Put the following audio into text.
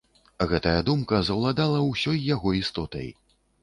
Гэтая думка заўладала ўсёй яго істотай.